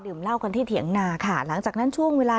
ไปดื่มเล่ากันที่เถียงนาหลังจากนั้นช่วงเวลา๑